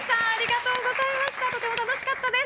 とても楽しかったです。